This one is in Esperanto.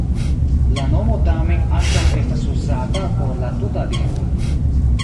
La nomo tamen ankaŭ estas uzata por la tuta digo.